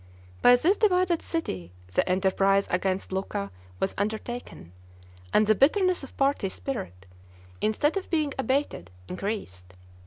By this divided city the enterprise against Lucca was undertaken; and the bitterness of party spirit, instead of being abated, increased.